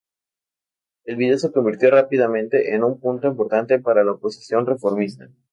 El video se convirtió rápidamente en un punto importante para la oposición reformista.